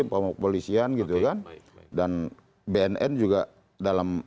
kepolisian gitu kan dan bnn juga dalam